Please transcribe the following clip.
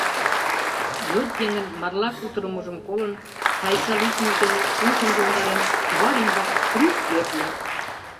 Йот еҥын марла кутырымыжым колын, Тайса лӱдмыж дене, ушым йомдарен, кӱвар ӱмбак крӱп йӧрльӧ.